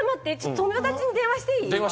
ちょっと友達に電話していい？